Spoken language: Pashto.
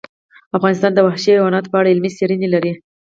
افغانستان د وحشي حیواناتو په اړه علمي څېړنې لري.